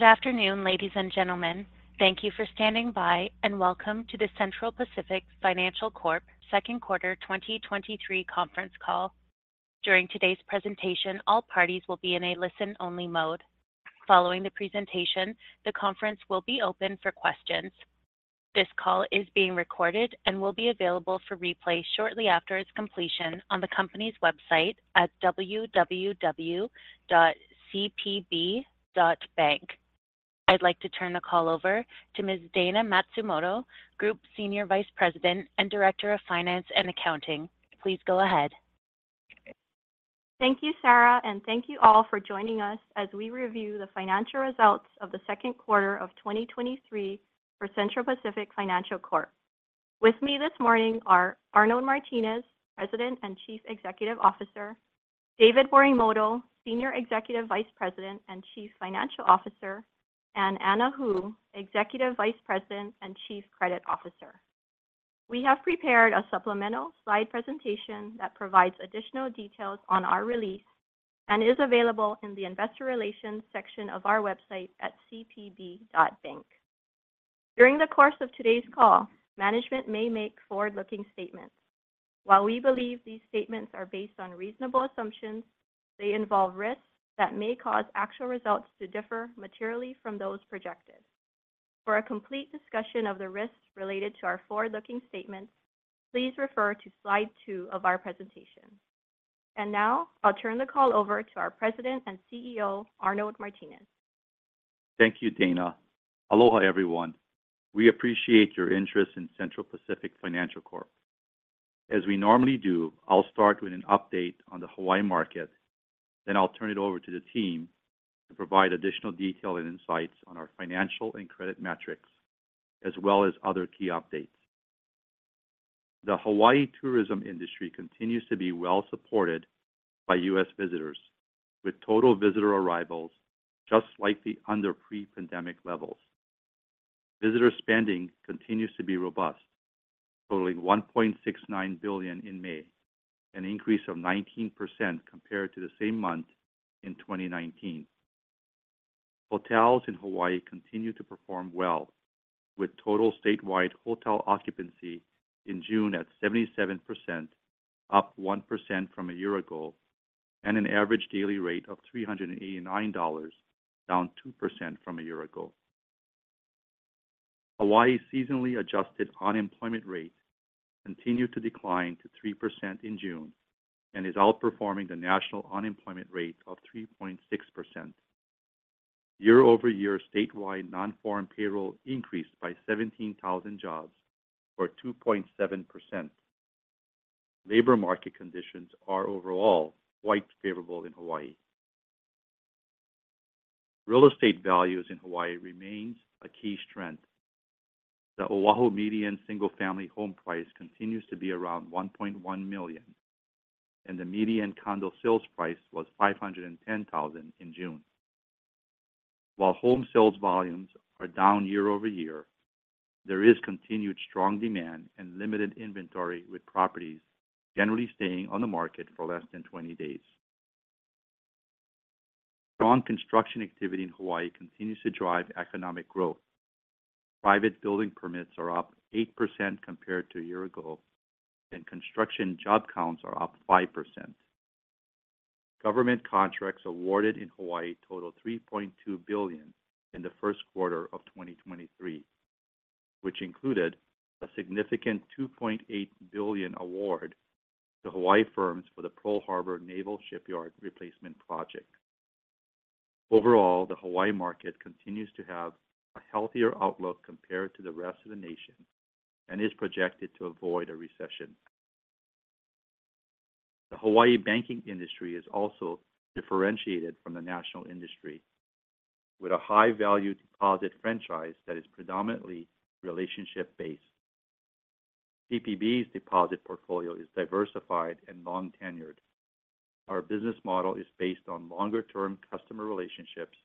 Good afternoon, ladies and gentlemen. Thank you for standing by and welcome to the Central Pacific Financial Corp Q2 2023 Conference Call. During today's presentation, all parties will be in a listen-only mode. Following the presentation, the conference will be open for questions. This call is being recorded and will be available for replay shortly after its completion on the company's website at www.cpb.bank. I'd like to turn the call over to Ms. Dayna Matsumoto, Group Senior Vice President and Director of Finance and Accounting. Please go ahead. Thank you, Sarah, thank you all for joining us as we review the financial results of the Q2 of 2023 for Central Pacific Financial Corp. With me this morning are Arnold Martines, President and Chief Executive Officer, David Morimoto, Senior Executive Vice President and Chief Financial Officer, Anna Hu, Executive Vice President and Chief Credit Officer. We have prepared a supplemental slide presentation that provides additional details on our release and is available in the Investor Relations section of our website at cpb.bank. During the course of today's call, management may make forward-looking statements. While we believe these statements are based on reasonable assumptions, they involve risks that may cause actual results to differ materially from those projected. For a complete discussion of the risks related to our forward-looking statements, please refer to slide two of our presentation. Now I'll turn the call over to our President and CEO, Arnold Martines. Thank you, Dayna. Aloha, everyone. We appreciate your interest in Central Pacific Financial Corp. As we normally do, I'll start with an update on the Hawaii market, then I'll turn it over to the team to provide additional detail and insights on our financial and credit metrics, as well as other key updates. The Hawaii tourism industry continues to be well supported by U.S. visitors, with total visitor arrivals just slightly under pre-pandemic levels. Visitor spending continues to be robust, totaling $1.69 billion in May, an increase of 19% compared to the same month in 2019. Hotels in Hawaii continue to perform well, with total statewide hotel occupancy in June at 77%, up 1% from a year ago, and an average daily rate of $389, down 2% from a year ago. Hawaii's seasonally adjusted unemployment rate continued to decline to 3% in June and is outperforming the national unemployment rate of 3.6%. Year-over-year, statewide non-farm payroll increased by 17,000 jobs, or 2.7%. Labor market conditions are overall quite favorable in Hawaii. Real estate values in Hawaii remains a key strength. The Oahu median single-family home price continues to be around $1.1 million, and the median condo sales price was $510,000 in June. While home sales volumes are down year-over-year, there is continued strong demand and limited inventory, with properties generally staying on the market for less than 20 days. Strong construction activity in Hawaii continues to drive economic growth. Private building permits are up 8% compared to a year ago, and construction job counts are up 5%. Government contracts awarded in Hawaii total $3.2 billion in the first quarter of 2023, which included a significant $2.8 billion award to Hawaii firms for the Pearl Harbor Naval Shipyard replacement project. Overall, the Hawaii market continues to have a healthier outlook compared to the rest of the nation and is projected to avoid a recession. The Hawaii banking industry is also differentiated from the national industry, with a high-value deposit franchise that is predominantly relationship-based. CPB's deposit portfolio is diversified and long-tenured. Our business model is based on longer-term customer relationships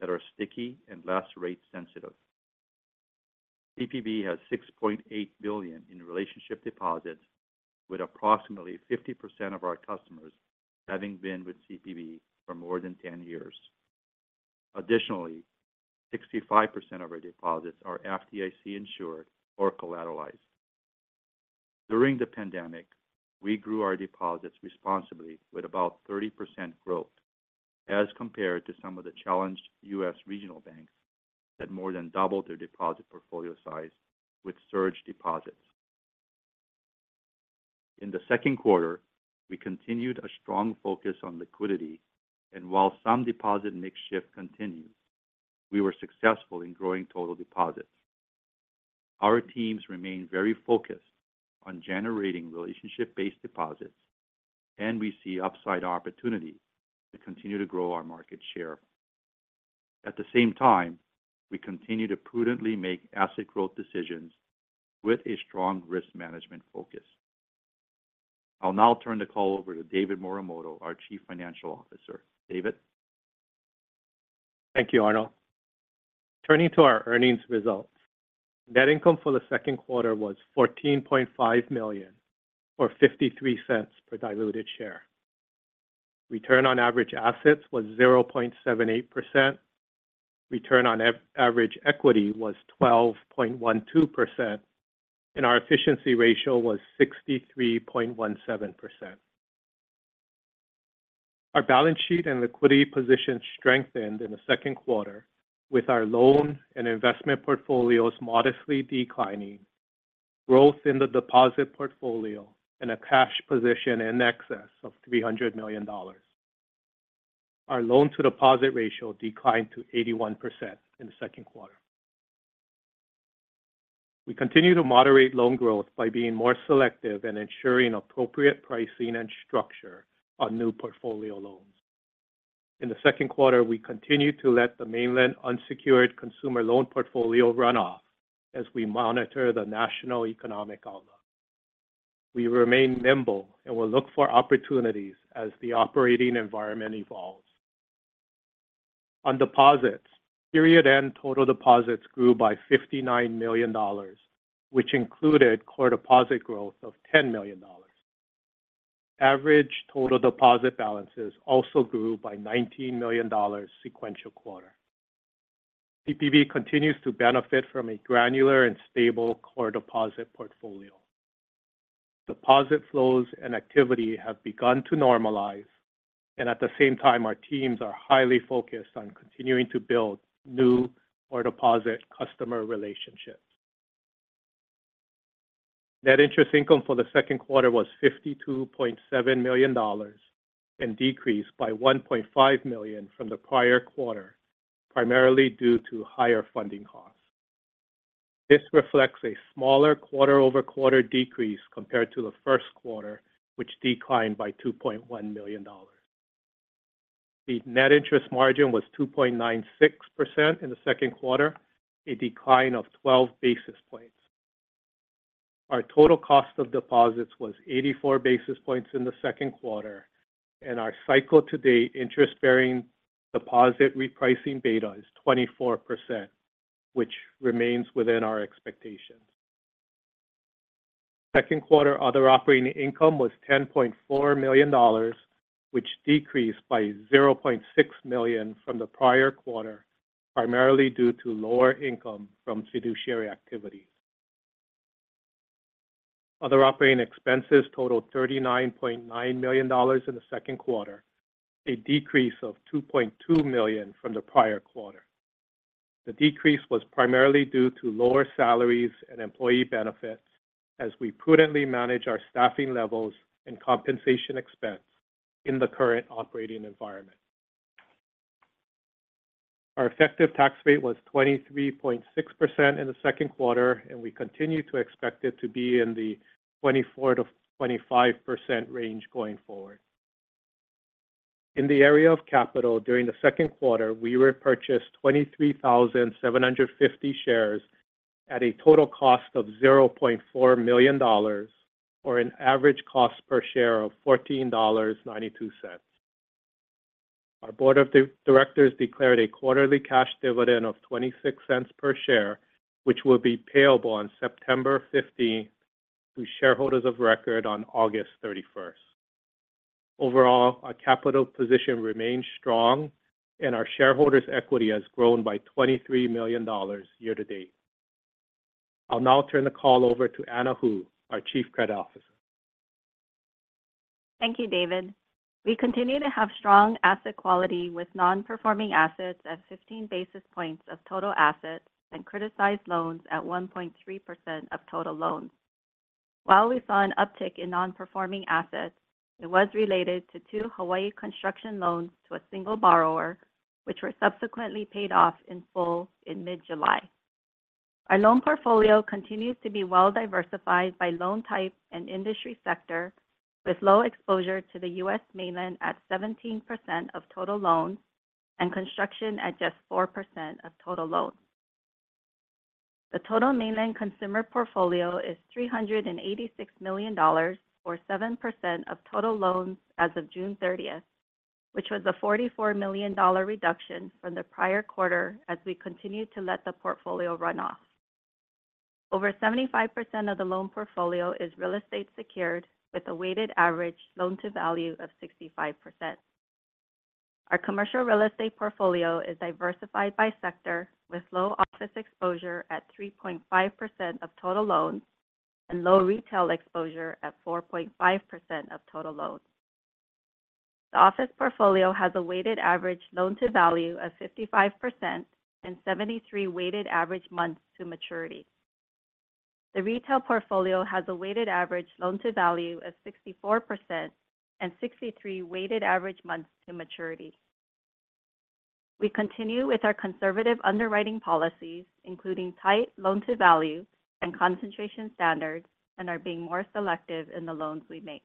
that are sticky and less rate sensitive. CPB has $6.8 billion in relationship deposits, with approximately 50% of our customers having been with CPB for more than 10 years. Additionally, 65% of our deposits are FDIC-insured or collateralized. During the pandemic, we grew our deposits responsibly, with about 30% growth, as compared to some of the challenged U.S. regional banks that more than doubled their deposit portfolio size with surge deposits. In the Q2, we continued a strong focus on liquidity, and while some deposit mix shift continues, we were successful in growing total deposits. Our teams remain very focused on generating relationship-based deposits, and we see upside opportunity to continue to grow our market share. At the same time, we continue to prudently make asset growth decisions with a strong risk management focus. I'll now turn the call over to David Morimoto, our Chief Financial Officer. David? Thank you, Arnold. Turning to our earnings results, net income for the Q2 was $14.5 million, or $0.53 per diluted share. Return on average assets was 0.78%. Return on average equity was 12.12%, our efficiency ratio was 63.17%. Our balance sheet and liquidity position strengthened in the Q2, with our loan and investment portfolios modestly declining, growth in the deposit portfolio, and a cash position in excess of $300 million. Our loan-to-deposit ratio declined to 81% in the Q2. We continue to moderate loan growth by being more selective and ensuring appropriate pricing and structure on new portfolio loans. In the Q2, we continued to let the mainland unsecured consumer loan portfolio run off as we monitor the national economic outlook. We remain nimble and will look for opportunities as the operating environment evolves. On deposits, period end total deposits grew by $59 million, which included core deposit growth of $10 million. Average total deposit balances also grew by $19 million sequential quarter. CPB continues to benefit from a granular and stable core deposit portfolio. Deposit flows and activity have begun to normalize, and at the same time, our teams are highly focused on continuing to build new core deposit customer relationships. Net interest income for the Q2 was $52.7 million and decreased by $1.5 million from the prior quarter, primarily due to higher funding costs. This reflects a smaller quarter-over-quarter decrease compared to the first quarter, which declined by $2.1 million. The net interest margin was 2.96% in the Q2, a decline of 12 basis points. Our total cost of deposits was 84 basis points in the Q2, and our cycle-to-date interest-bearing deposit repricing beta is 24%, which remains within our expectations. Q2 other operating income was $10.4 million, which decreased by $0.6 million from the prior quarter, primarily due to lower income from fiduciary activity. Other operating expenses totaled $39.9 million in the Q2, a decrease of $2.2 million from the prior quarter. The decrease was primarily due to lower salaries and employee benefits as we prudently manage our staffing levels and compensation expense in the current operating environment. Our effective tax rate was 23.6% in the Q2. We continue to expect it to be in the 24%-25% range going forward. In the area of capital, during the Q2, we repurchased 23,750 shares at a total cost of $0.4 million, or an average cost per share of $14.92. Our board of directors declared a quarterly cash dividend of $0.26 per share, which will be payable on September 15th to shareholders of record on August 31st. Overall, our capital position remains strong. Our shareholders' equity has grown by $23 million year to date. I'll now turn the call over to Anna Hu, our Chief Credit Officer. Thank you, David. We continue to have strong asset quality with non-performing assets at 15 basis points of total assets and criticized loans at 1.3% of total loans. While we saw an uptick in non-performing assets, it was related to two Hawaii construction loans to a single borrower, which were subsequently paid off in full in mid-July. Our loan portfolio continues to be well-diversified by loan type and industry sector, with low exposure to the U.S. mainland at 17% of total loans and construction at just 4% of total loans. The total mainland consumer portfolio is $386 million, or 7% of total loans as of June thirtieth, which was a $44 million reduction from the prior quarter as we continued to let the portfolio run off. Over 75% of the loan portfolio is real estate secured, with a weighted average loan-to-value of 65%. Our commercial real estate portfolio is diversified by sector, with low office exposure at 3.5% of total loans and low retail exposure at 4.5% of total loans. The office portfolio has a weighted average loan-to-value of 55% and 73 weighted average months to maturity. The retail portfolio has a weighted average loan-to-value of 64% and 63 weighted average months to maturity. We continue with our conservative underwriting policies, including tight loan-to-value and concentration standards, and are being more selective in the loans we make.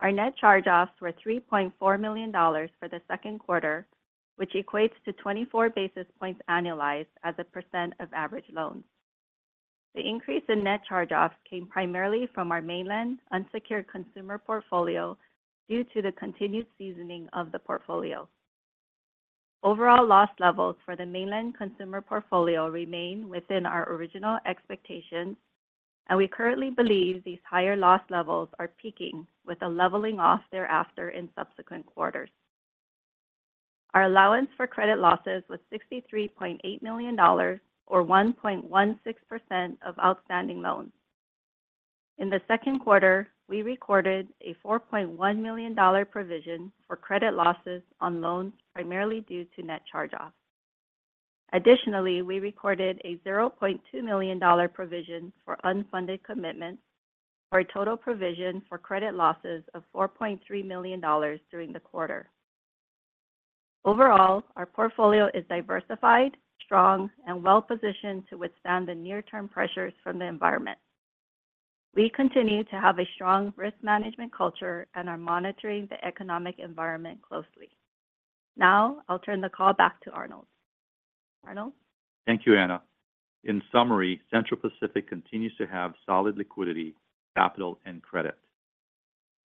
Our net charge-offs were $3.4 million for the Q2, which equates to 24 basis points annualized as a % of average loans. The increase in net charge-offs came primarily from our mainland unsecured consumer portfolio due to the continued seasoning of the portfolio. Overall loss levels for the mainland consumer portfolio remain within our original expectations, and we currently believe these higher loss levels are peaking with a leveling off thereafter in subsequent quarters. Our allowance for credit losses was $63.8 million, or 1.16% of outstanding loans. In the Q2, we recorded a $4.1 million provision for credit losses on loans, primarily due to net charge-offs. Additionally, we recorded a $0.2 million provision for unfunded commitments for a total provision for credit losses of $4.3 million during the quarter. Overall, our portfolio is diversified, strong, and well-positioned to withstand the near-term pressures from the environment. We continue to have a strong risk management culture and are monitoring the economic environment closely. I'll turn the call back to Arnold. Arnold? Thank you, Anna. In summary, Central Pacific continues to have solid liquidity, capital, and credit.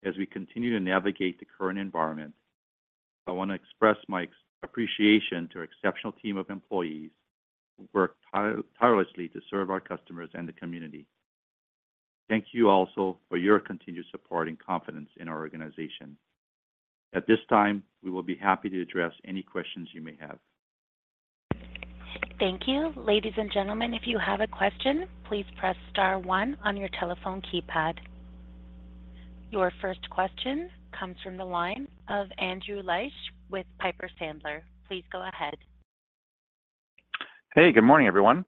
As we continue to navigate the current environment, I want to express my appreciation to our exceptional team of employees who work tirelessly to serve our customers and the community. Thank you also for your continued support and confidence in our organization. At this time, we will be happy to address any questions you may have. Thank you. Ladies and gentlemen, if you have a question, please press star one on your telephone keypad. Your first question comes from the line of Andrew Liesch with Piper Sandler. Please go ahead. Hey, good morning, everyone.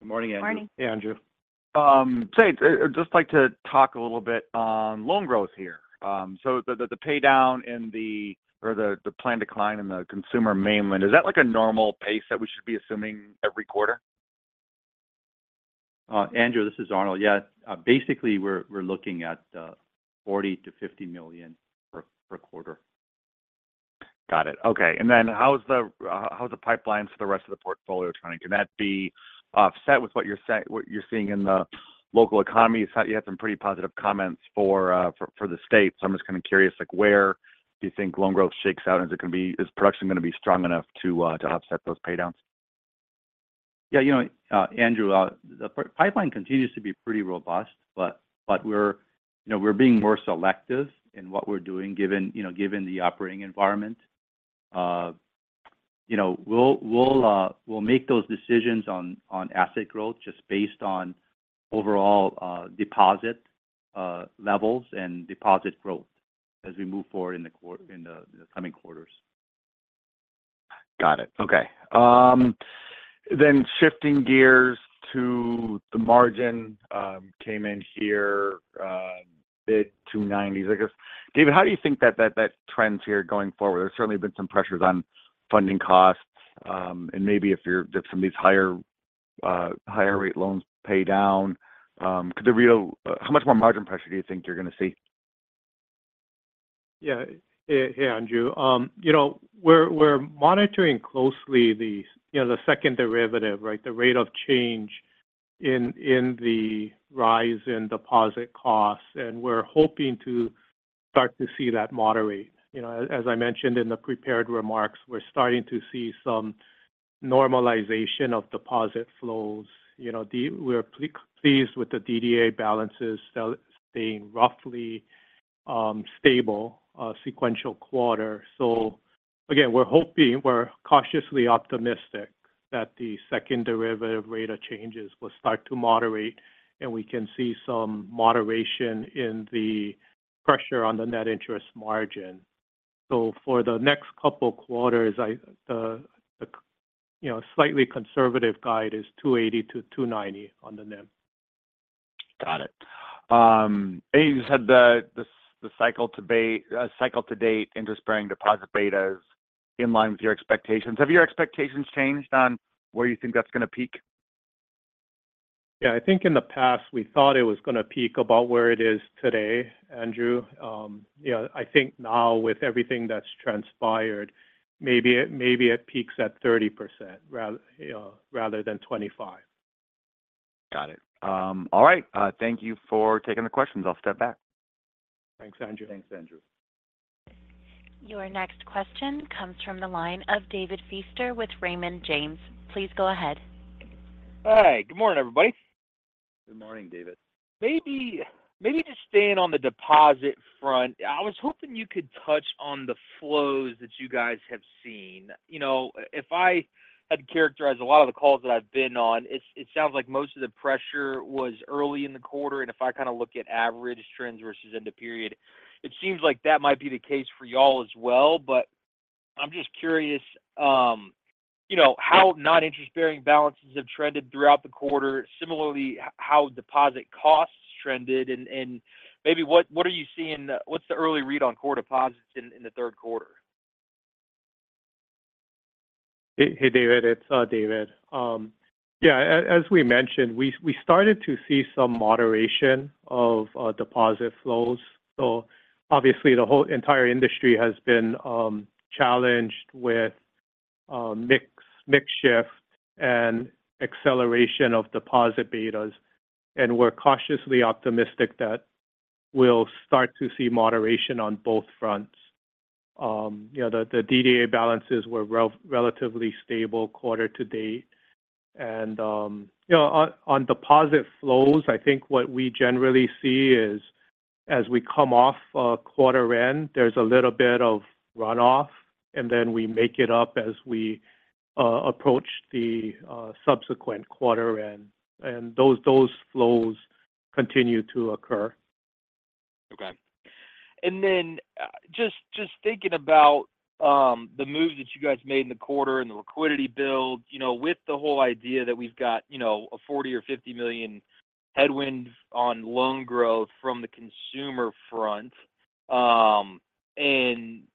Good morning, Andrew. Morning. Hey, Andrew. I'd just like to talk a little bit on loan growth here. The paydown or the planned decline in the consumer mainland, is that like a normal pace that we should be assuming every quarter? Andrew, this is Arnold. Yeah, basically, we're looking at $40 million-$50 million per quarter. Got it. Okay. How's the pipelines for the rest of the portfolio trending? Can that be offset with what you're seeing in the local economy? You had some pretty positive comments for the state. I'm just kind of curious, like, where do you think loan growth shakes out? Is production gonna be strong enough to offset those paydowns? You know, Andrew, the pipeline continues to be pretty robust, but we're, you know, we're being more selective in what we're doing, given, you know, given the operating environment. You know, we'll make those decisions on asset growth just based on overall deposit levels and deposit growth as we move forward in the coming quarters. Got it. Okay. Shifting gears to the margin, came in here mid 2.90s, I guess. David, how do you think that trends here going forward? There's certainly been some pressures on funding costs, and maybe if some of these higher rate loans pay down. How much more margin pressure do you think you're gonna see? Yeah. Hey, hey, Andrew. You know, we're monitoring closely the, you know, the second derivative, right? The rate of change in the rise in deposit costs. We're hoping to start to see that moderate. You know, as I mentioned in the prepared remarks, we're starting to see some normalization of deposit flows. You know, we're pleased with the DDA balances still staying roughly stable sequential quarter. Again, we're hoping, we're cautiously optimistic that the second derivative rate of changes will start to moderate, and we can see some moderation in the pressure on the net interest margin. For the next couple quarters, you know, slightly conservative guide is 2.80%-2.90% on the NIM. Got it. You just had the cycle to date, interest-bearing deposit betas in line with your expectations. Have your expectations changed on where you think that's gonna peak? I think in the past, we thought it was gonna peak about where it is today, Andrew. you know, I think now with everything that's transpired, maybe it peaks at 30% rather, you know, rather than 25%. Got it. All right. Thank you for taking the questions. I'll step back. Thanks, Andrew. Thanks, Andrew. Your next question comes from the line of David Feaster with Raymond James. Please go ahead. Hi. Good morning, everybody. Good morning, David. Maybe just staying on the deposit front, I was hoping you could touch on the flows that you guys have seen. You know, if I had to characterize a lot of the calls that I've been on, it sounds like most of the pressure was early in the quarter, and if I kind of look at average trends versus end of period, it seems like that might be the case for y'all as well. I'm just curious, you know, how non-interest-bearing balances have trended throughout the quarter. Similarly, how deposit costs trended, and maybe what are you seeing, what's the early read on core deposits in the Q3? Hey, hey, David, it's David. Yeah, as we mentioned, we started to see some moderation of deposit flows. Obviously, the whole entire industry has been challenged with mix shift and acceleration of deposit betas, and we're cautiously optimistic that we'll start to see moderation on both fronts. You know, the DDA balances were relatively stable quarter to date. You know, on deposit flows, I think what we generally see is as we come off a quarter end, there's a little bit of runoff, and then we make it up as we approach the subsequent quarter end. Those flows continue to occur. Okay. Just thinking about the move that you guys made in the quarter and the liquidity build, you know, with the whole idea that we've got, you know, a $40 million or $50 million headwind on loan growth from the consumer front.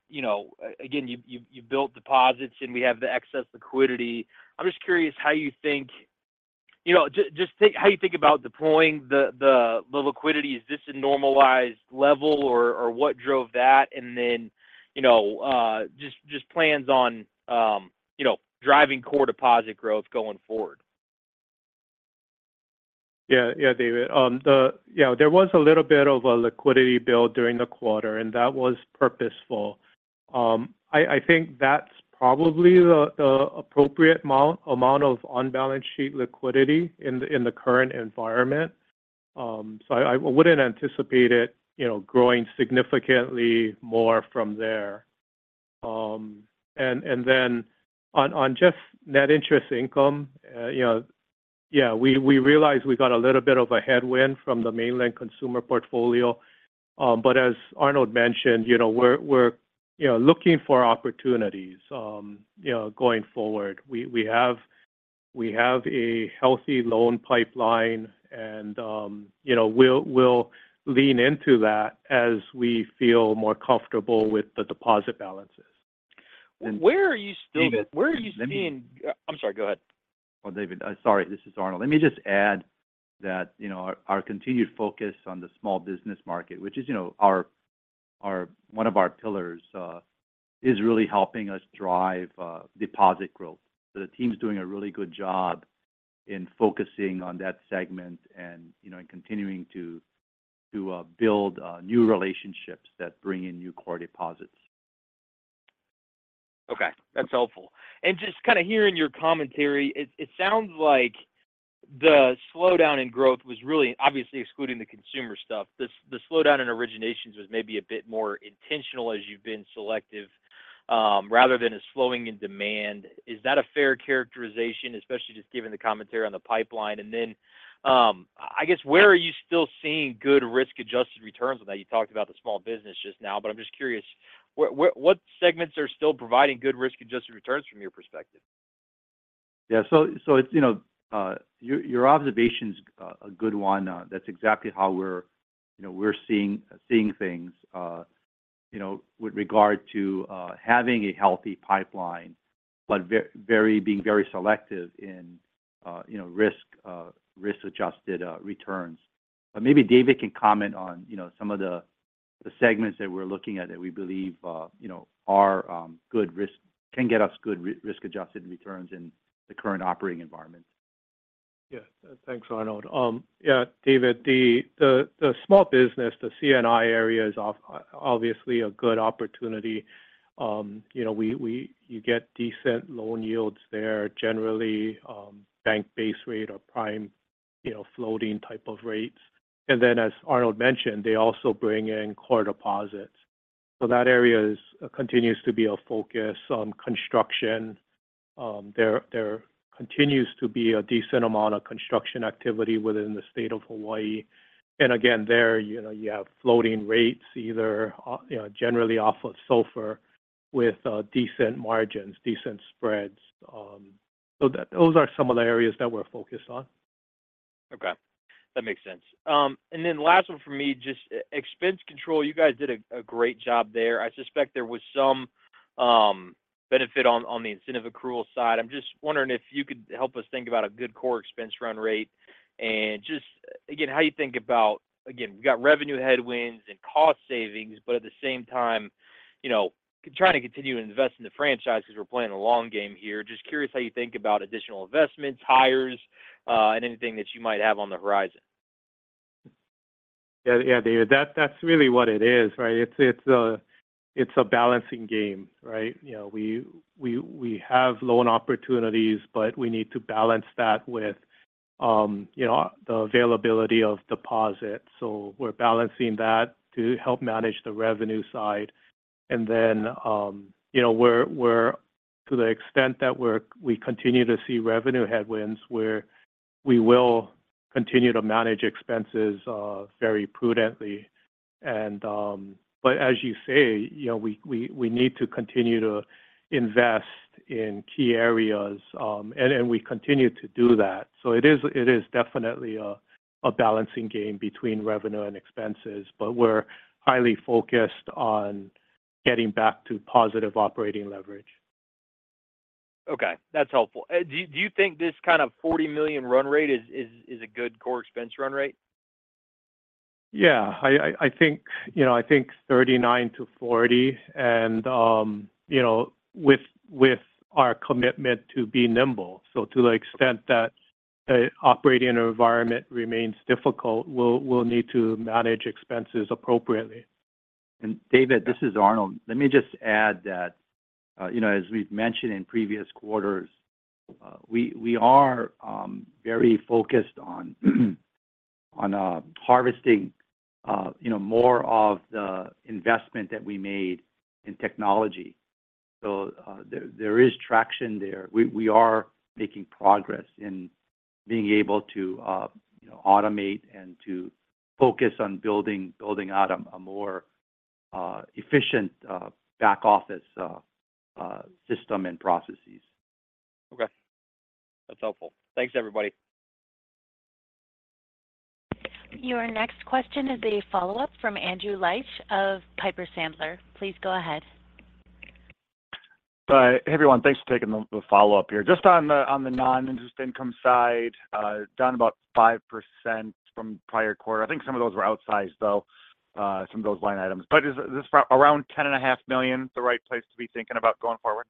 You know, again, you built deposits, and we have the excess liquidity. I'm just curious how you think, you know, just how you think about deploying the liquidity. Is this a normalized level, or what drove that? Just plans on, you know, driving core deposit growth going forward. Yeah, David, you know, there was a little bit of a liquidity build during the quarter. That was purposeful. I think that's probably the appropriate amount of on-balance sheet liquidity in the current environment. I wouldn't anticipate it, you know, growing significantly more from there. Then on just net interest income, you know, yeah, we realized we got a little bit of a headwind from the mainland consumer portfolio. As Arnold mentioned, you know, we're, you know, looking for opportunities, you know, going forward. We have a healthy loan pipeline, you know, we'll lean into that as we feel more comfortable with the deposit balances. Where are you still- David- Where are you seeing... I'm sorry, go ahead. Oh, David, sorry, this is Arnold. Let me just add that, you know, our continued focus on the small business market, which is, you know, one of our pillars, is really helping us drive deposit growth. The team's doing a really good job in focusing on that segment and, you know, and continuing to build new relationships that bring in new core deposits. Okay, that's helpful. Just kind of hearing your commentary, it sounds like the slowdown in growth was really obviously excluding the consumer stuff. The slowdown in originations was maybe a bit more intentional as you've been selective, rather than a slowing in demand. Is that a fair characterization, especially just given the commentary on the pipeline? I guess, where are you still seeing good risk-adjusted returns? I know you talked about the small business just now, but I'm just curious, what segments are still providing good risk-adjusted returns from your perspective? Yeah. It's, you know, your observation's a good one. That's exactly how we're, you know, we're seeing things, you know, with regard to having a healthy pipeline, but being very selective in, you know, risk-adjusted returns. Maybe David can comment on, you know, some of the segments that we're looking at that we believe, you know, are can get us good risk-adjusted returns in the current operating environment. Yeah. Thanks, Arnold. Yeah, David, the small business, the C&I area is obviously a good opportunity. You know, you get decent loan yields there, generally, bank base rate or prime, you know, floating type of rates. As Arnold mentioned, they also bring in core deposits. That area continues to be a focus on construction. There continues to be a decent amount of construction activity within the state of Hawaii. Again, there, you know, you have floating rates, either, you know, generally off of SOFR with decent margins, decent spreads. Those are some of the areas that we're focused on. That makes sense. Last one for me, just expense control. You guys did a great job there. I suspect there was some benefit on the incentive accrual side. I'm just wondering if you could help us think about a good core expense run rate. again, how you think about, we've got revenue headwinds and cost savings, but at the same time, you know, trying to continue to invest in the franchise because we're playing a long game here. Just curious how you think about additional investments, hires, and anything that you might have on the horizon. Yeah, David. That's really what it is, right? It's a balancing game, right? You know, we have loan opportunities, but we need to balance that with, you know, the availability of deposits. We're balancing that to help manage the revenue side. You know, we continue to see revenue headwinds, where we will continue to manage expenses very prudently. As you say, you know, we need to continue to invest in key areas, and we continue to do that. It is definitely a balancing game between revenue and expenses, but we're highly focused on getting back to positive operating leverage. Okay, that's helpful. Do you think this kind of $40 million run rate is a good core expense run rate? Yeah. I think, you know, I think 39 to 40, you know, with our commitment to be nimble. To the extent the operating environment remains difficult, we'll need to manage expenses appropriately. David, this is Arnold. Let me just add that, you know, as we've mentioned in previous quarters, we are very focused on harvesting, you know, more of the investment that we made in technology. There is traction there. We are making progress in being able to, you know, automate and to focus on building out a more efficient back office system and processes. Okay. That's helpful. Thanks, everybody. Your next question is a follow-up from Andrew Liesch of Piper Sandler. Please go ahead. Hey, everyone. Thanks for taking the follow-up here. Just on the non-interest income side, down about 5% from prior quarter. I think some of those were outsized, though, some of those line items. Is around $10.5 million the right place to be thinking about going forward?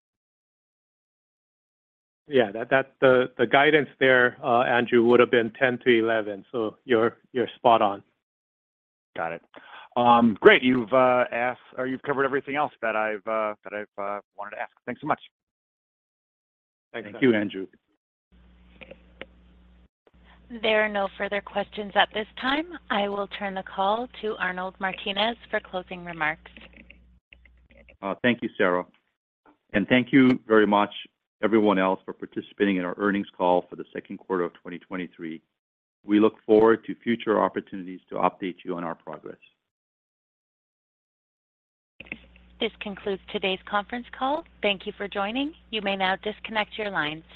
That the guidance there, Andrew, would have been 10-11, so you're spot on. Got it. great! You've asked, or you've covered everything else that I've wanted to ask. Thanks so much. Thank you. Thank you, Andrew. There are no further questions at this time. I will turn the call to Arnold Martines for closing remarks. Thank you, Sarah. Thank you very much, everyone else, for participating in our earnings call for the Q2 of 2023. We look forward to future opportunities to update you on our progress. This concludes today's conference call. Thank you for joining. You may now disconnect your lines.